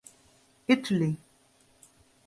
Italy.